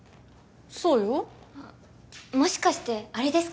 そうよもしかしてあれですか？